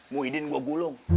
muhyiddin gua gulung